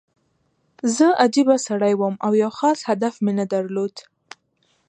زه عجیبه سړی وم او یو خاص هدف مې نه درلود